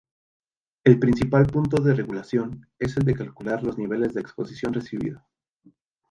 El principal punto de regulación, es el de calcular los niveles de exposición recibida.